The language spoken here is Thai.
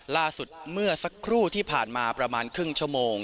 ล่าสุดเมื่อสักครู่ที่ผ่านมาประมาณครึ่งชั่วโมง